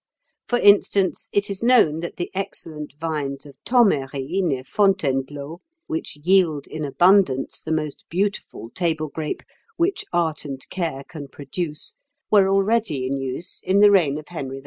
For instance, it is known that the excellent vines of Thomery, near Fontainebleau, which yield in abundance the most beautiful table grape which art and care can produce, were already in use in the reign of Henry IV.